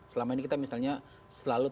selama ini kita misalnya selalu